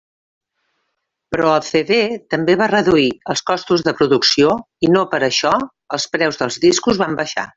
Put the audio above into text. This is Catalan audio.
Però el CD també va reduir els costos de producció i no per això els preus dels discos van baixar.